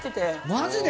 マジで！